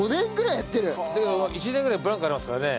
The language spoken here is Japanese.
でも１年ぐらいブランクありますからね。